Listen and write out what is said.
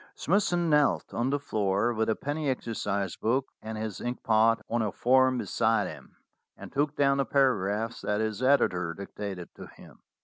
Smithson knelt on the floor with a penny exercise book and his inkpot on a form be side him, and took down the paragraphs that his editor dictated to him.